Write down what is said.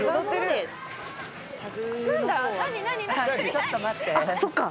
ちょっと待って。